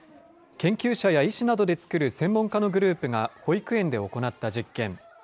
研究者や医師などで作る専門家のグループが保育園で行った実験。